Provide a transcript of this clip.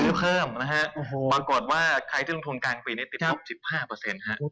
ซื้อเพิ่มนะฮะปรากฏว่าใครที่ลงทุนกลางปีนี้ติดลบ๑๕ครับ